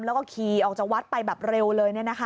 แล้วก็ขี่ออกจากวัดไปแบบเร็วเลย